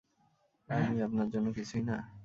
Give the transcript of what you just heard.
আমি আপনার জন্য কিছুই না?